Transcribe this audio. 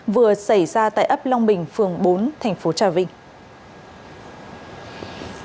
vừa xảy ra tại ấp long bình phường bốn thành phố trà vinh